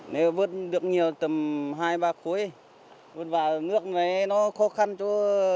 nếu vất được nhiều tầm hai ba khối vất vào nước này nó khó khăn cho